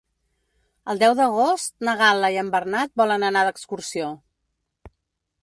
El deu d'agost na Gal·la i en Bernat volen anar d'excursió.